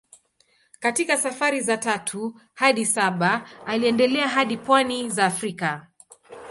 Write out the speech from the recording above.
Katika safari za tatu hadi saba aliendelea hadi pwani za Afrika.